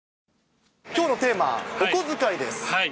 きょうのテーマ、おこづかいです。